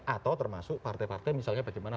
atau termasuk partai partai misalnya bagaimana